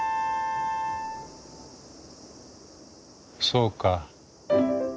そうか。